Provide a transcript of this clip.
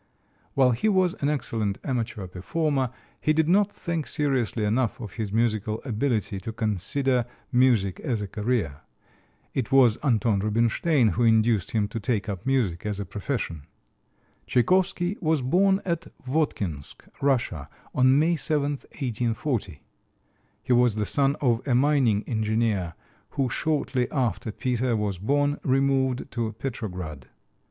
While he was an excellent amateur performer, he did not think seriously enough of his musical ability to consider music as a career. It was Anton Rubinstein who induced him to take up music as a profession. Tchaikovsky was born at Votkinsk, Russia, on May 7, 1840. He was the son of a mining engineer, who shortly after Peter was born removed to Petrograd.